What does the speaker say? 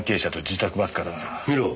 見ろ。